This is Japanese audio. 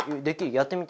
やってみて。